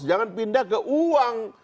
jangan pindah ke uang